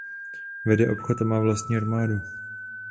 Vede obchod a má vlastní armádu.